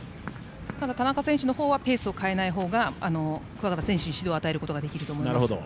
田中選手のほうはペースを変えないほうが桑形選手に指導を与えることができると思います。